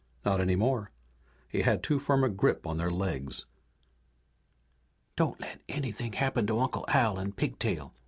Not any more. He had too firm a grip on their legs. "Don't let anything happen to Uncle Al and Pigtail!"